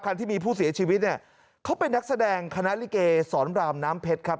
ที่มีผู้เสียชีวิตเนี่ยเขาเป็นนักแสดงคณะลิเกสอนรามน้ำเพชรครับ